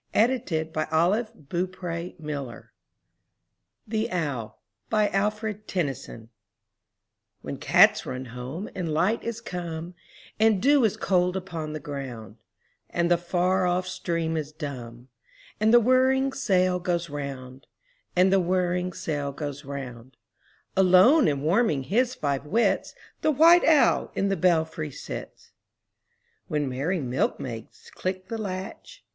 Houghton Mifflin Company. 23 M Y BOOK HOUSE THE OWL Alfred Tennyson When cats run home and Hght is come, And dew is cold upon the ground, And the far off stream is dumb, And the whirring sail goes round; And the whirring sail goes round; Alone and warming his five wits, The white owl in the belfry sits. When merry milkmaids click the latch.